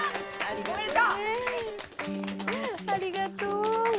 ありがとう。